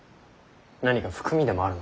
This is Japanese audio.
何か含みでもあるのか。